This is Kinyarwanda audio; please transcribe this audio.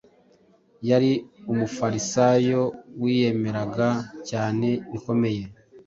yari umufarisayo wiyemeraga cyane bikomeye,